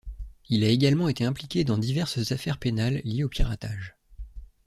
Il a également été impliqué dans diverses affaires pénales liées au piratage.